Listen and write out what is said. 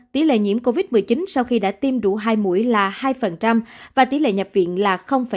tỷ lệ nhiễm covid một mươi chín sau khi đã tiêm đủ hai mũi là hai và tỷ lệ nhập viện là ba mươi